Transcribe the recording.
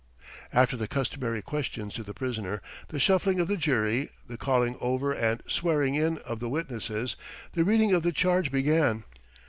After the customary questions to the prisoner, the shuffling of the jury, the calling over and swearing in of the witnesses, the reading of the charge began.